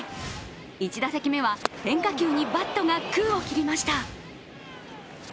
１打席目は、変化球にバットが空を切りました。